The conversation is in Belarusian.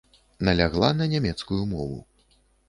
Налягла на нямецкую мову.